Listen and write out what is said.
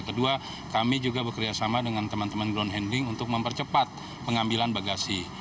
kedua kami juga bekerjasama dengan teman teman ground handling untuk mempercepat pengambilan bagasi